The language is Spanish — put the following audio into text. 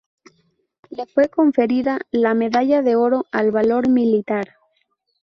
Le fue conferida la" Medalla de Oro al valor militar".